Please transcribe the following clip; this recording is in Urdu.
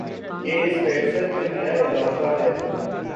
یہ اس فہرست میں نیا اضافہ ہے